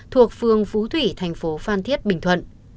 thuộc phương phú thủy tp phan thiết bình thuận